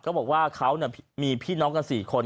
เขาบอกว่าเขามีพี่น้องกัน๔คน